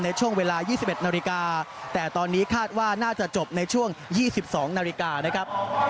ในช่วงเวลา๒๑นาฬิกาแต่ตอนนี้คาดว่าน่าจะจบในช่วง๒๒นาฬิกานะครับ